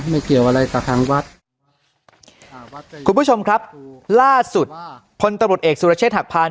เกี่ยวอะไรกับทางวัดครับคุณผู้ชมครับล่าสุดพลตำรวจเอกสุรเชษฐหักพาน